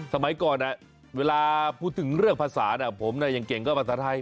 สมัยก่อนเวลาพูดถึงเรื่องภาษาผมยังเก่งก็ภาษาไทย